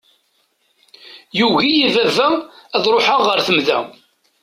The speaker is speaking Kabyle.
Yugi-iyi baba ad ṛuḥeɣ ɣer temda.